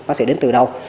nó sẽ đến từ đâu